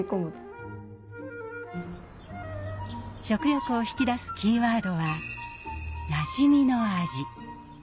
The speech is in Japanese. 食欲を引き出すキーワードは「なじみの味」。